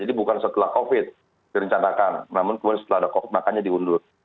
jadi bukan setelah covid direncanakan namun setelah ada covid makanya diundur